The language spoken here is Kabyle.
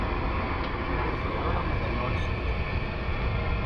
Ur bɣiɣ ara ad rnuɣ ad k-cewwleɣ.